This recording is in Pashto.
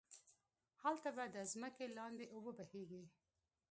هلته به ده ځمکی لاندی اوبه بهيږي